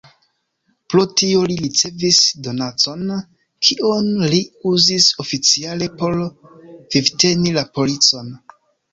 Pro tio li ricevis donacon, kion li uzis oficiale por vivteni la policon.